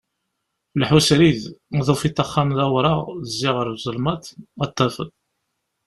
Lḥu srid, mi tufiḍ axxam d awraɣ zzi ɣer uzelmaḍ, ad t-tafeḍ.